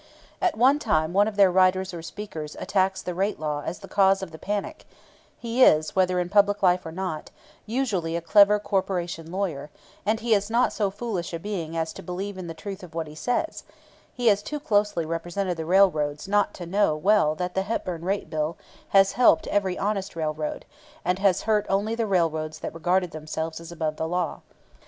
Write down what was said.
At one time one of their writers or speakers attacks the rate law as the cause of the panic; he is, whether in public life or not, usually a clever corporation lawyer, and he is not so foolish a being as to believe in the truth of what he says; he has too closely represented the railroads not to know well that the Hepburn Rate Bill has helped every honest railroad, and has hurt only the railroads that regarded themselves as above the law.